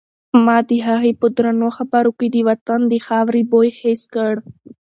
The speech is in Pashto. ما د هغې په درنو خبرو کې د وطن د خاورې بوی حس کړ.